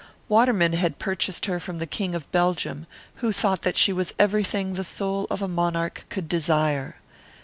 Waterman had purchased her from the King of Belgium, who had thought she was everything the soul of a monarch could desire.